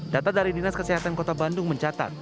data dari dinas kesehatan kota bandung mencatat